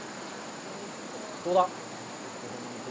どうだ？